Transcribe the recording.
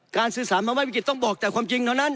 สื่อสารมาว่าวิกฤตต้องบอกแต่ความจริงเท่านั้น